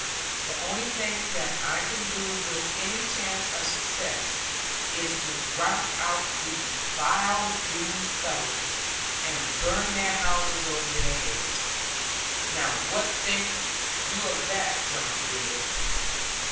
The only thing that I can do with any chance of success, is to rout out these vile Doone fellows, and burn their houses over their heads. Now what think you of that, John Ridd?'